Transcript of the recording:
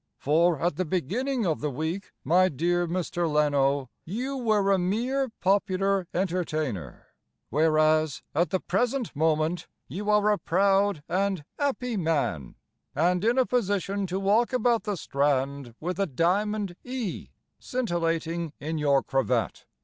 For at the beginning of the week, my dear Mr. Leno, You were a mere popular entertainer, Whereas at the present moment You are a proud and 'appy man, And in a position to walk about the Strand With a diamond E Scintillating in your cravat.